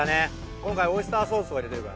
今回オイスターソースとか入れてるから。